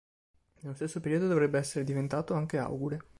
Nello stesso periodo dovrebbe essere diventato anche augure.